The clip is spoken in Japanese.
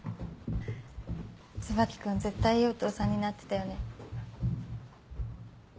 椿君絶対いいお父さんになってたよね。